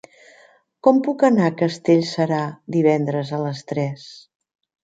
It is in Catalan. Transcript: Com puc anar a Castellserà divendres a les tres?